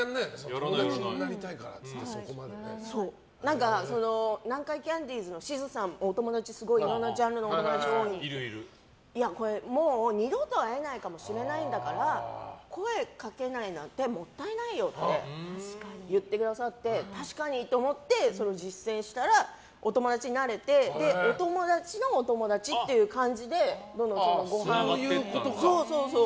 友達になりたいからって南海キャンディーズのしずさんもいろんなジャンルのお友達が多いのでもう二度と会えないかもしれないんだから声かけないなんてもったいないよって言ってくださって確かにって思ってそれを実践したらお友達になれてお友達のお友達っていう感じでどんどん、ごはん。